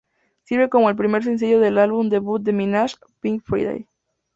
Sirve como el primer sencillo del álbum debut de Minaj, Pink Friday.